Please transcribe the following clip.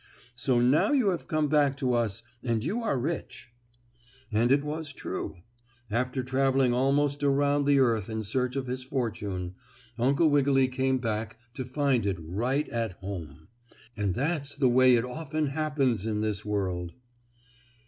So now you have come back to us, and you are rich." And it was true. After traveling almost around the earth in search of his fortune, Uncle Wiggily came back to find it right at home, and that's the way it often happens in this world.